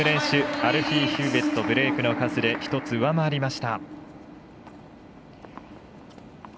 アルフィー・ヒューウェットブレークの数で１つ上回りました。